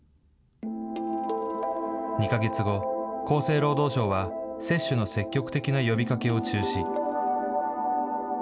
２か月後、厚生労働省は、接種の積極的な呼びかけを中止。